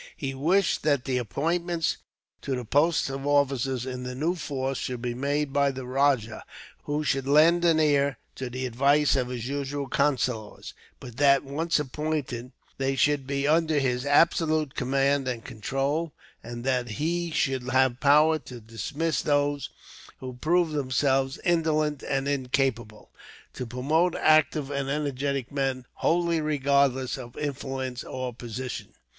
He wished that the appointments to the posts of officers in the new force should be made by the rajah, who should lend an ear to the advice of his usual councillors; but that, once appointed, they should be under his absolute command and control, and that he should have power to dismiss those who proved themselves indolent and incapable, to promote active and energetic men, wholly regardless of influence or position.